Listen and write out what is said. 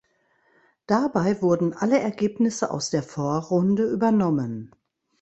Dabei wurden alle Ergebnisse aus der Vorrunde übernommen.